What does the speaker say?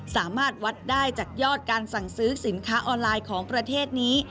สามารถวัดได้จากยอดการสั่งซื้อสินค้าออนไลน์ของประเทศนี้